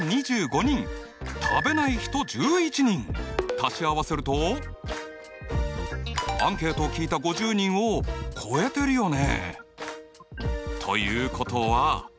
足し合わせるとアンケートを聞いた５０人を超えてるよね。